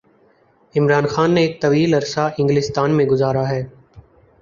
عمران خان نے ایک طویل عرصہ انگلستان میں گزارا ہے۔